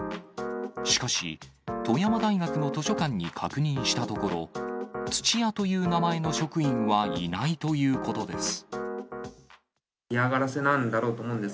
しかし、富山大学の図書館に確認したところ、土屋という名前の職員はいないということです。